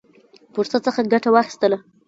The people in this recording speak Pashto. فرصت څخه ګټه واخیستله.